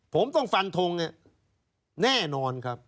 ผมต้องฟันทงแน่นอนครับ